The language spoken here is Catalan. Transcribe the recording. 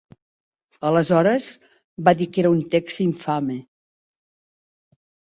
Aleshores, va dir que era un text ‘infame’.